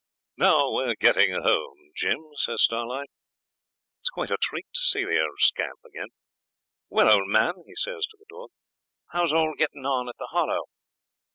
'Now we're getting home, Jim,' says Starlight. 'It's quite a treat to see the old scamp again. Well, old man,' he says to the dog, 'how's all getting on at the Hollow?'